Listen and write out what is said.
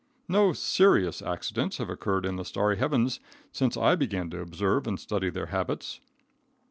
No serious accidents have occurred in the starry heavens since I began to observe and study their habits.